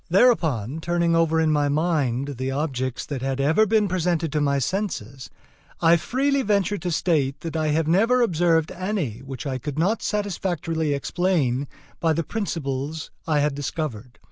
Thereupon, turning over in my mind I the objects that had ever been presented to my senses I freely venture to state that I have never observed any which I could not satisfactorily explain by the principles had discovered.